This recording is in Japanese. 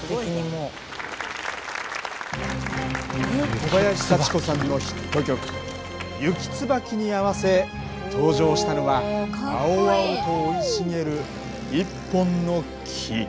小林幸子さんのヒット曲「雪椿」に合わせ登場したのは青々と生い茂る一本の木。